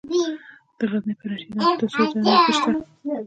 د غزني په رشیدان کې د سرو زرو نښې شته.